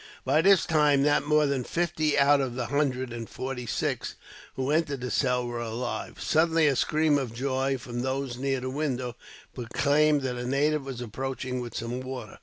By this time, not more than fifty out of the hundred and forty six who entered the cell were alive. Suddenly a scream of joy, from those near the window, proclaimed that a native was approaching with some water.